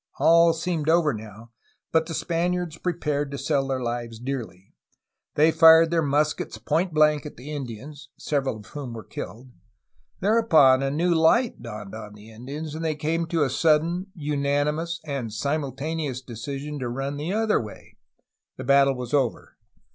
All seemed over now, but the Spaniards prepared to sell their lives dearly. They fired their muskets point blank at the Indians, several of whom were killed. Thereupon, a new light 176 A HISTORY OF CALIFORNIA dawned upon the Indians, and they came to a sudden, unanimous, and simultaneous decision to run the other way. The battle was over.